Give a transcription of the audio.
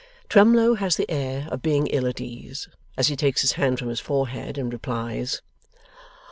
Twemlow has the air of being ill at ease, as he takes his hand from his forehead and replies.